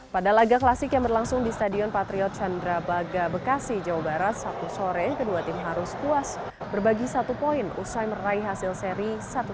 pada laga klasik yang berlangsung di stadion patriot candrabaga bekasi jawa barat sabtu sore kedua tim harus puas berbagi satu poin usai meraih hasil seri satu dua